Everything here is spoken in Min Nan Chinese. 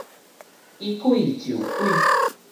以鬼就鬼